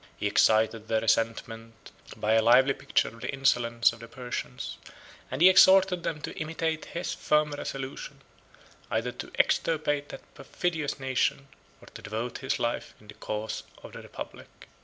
He excited their resentment by a lively picture of the insolence of the Persians; and he exhorted them to imitate his firm resolution, either to extirpate that perfidious nation, or to devote his life in the cause of the republic.